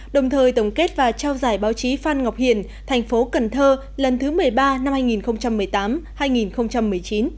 đồng thời tổng kết và trao giải báo chí phan ngọc hiển tp cn lần thứ một mươi ba năm hai nghìn một mươi tám hai nghìn một mươi chín